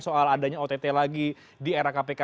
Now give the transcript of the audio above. soal adanya ott lagi di era kpk